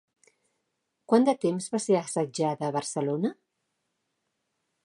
Quant de temps va ser assetjada Barcelona?